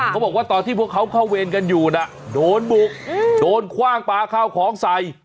เขาบอกว่าตอนที่พวกเขาเข้าเวรกันอยู่น่ะโดนบุกโดนคว่างปลาข้าวของใส่